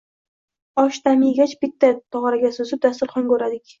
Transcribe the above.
Osh dam yegach, bitta tog’araga suzib, dasturxonga o’radik